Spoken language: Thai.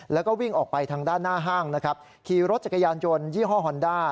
แล้วก็วิ่งออกไปทางด้านหน้าห้างนะครับขี่รถจักรยานยนต์ยี่ห้อฮอนด้า